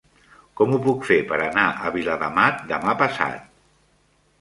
Com ho puc fer per anar a Viladamat demà passat?